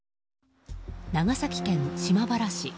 長崎県島原市。